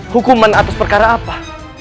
hukuman atas perkara apa